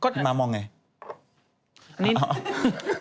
ที่มามองยังไง